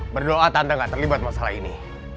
berdoa tante gak terlibat masalah ini